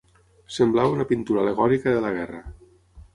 Semblava una pintura al·legòrica de la guerra